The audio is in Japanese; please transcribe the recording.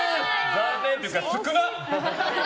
残念っていうか、少なっ！